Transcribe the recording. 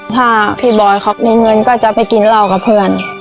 ถ้าพี่บอยเขามีเงินก็จะไปกินเหล้ากับเพื่อน